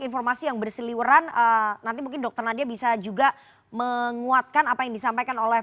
informasi yang berseliweran nanti mungkin dokter nadia bisa juga menguatkan apa yang disampaikan oleh